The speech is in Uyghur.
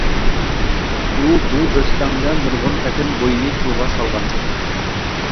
ئۇ بۇ ئۆستەڭدە نۇرغۇن قېتىم بويىنى سۇغا سالغان.